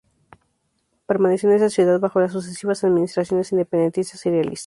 Permaneció en esa ciudad bajo las sucesivas administraciones independentistas y realistas.